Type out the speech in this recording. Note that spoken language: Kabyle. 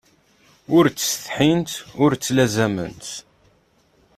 Ur ttsetḥint ur ttlazament.